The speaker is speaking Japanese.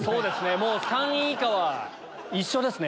もう３位以下は一緒ですね。